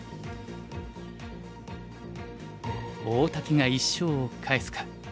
大竹が１勝を返すか。